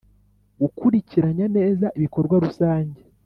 gukurikiranya neza ibikorwa rusange